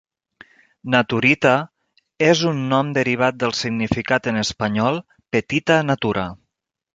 Naturita és un nom derivat del significat en espanyol "petita natura".